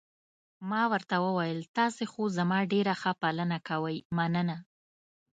ما ورته وویل: تاسي خو زما ډېره ښه پالنه کوئ، مننه.